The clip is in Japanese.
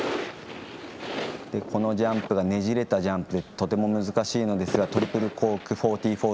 今のジャンプがねじれたジャンプでとても難しいのですがトリプルコーク１４４０４